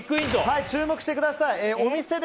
注目してください。